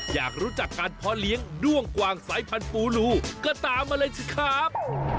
อยากรู้จักการเพาะเลี้ยงด้วงกวางสายพันธูลูก็ตามมาเลยสิครับ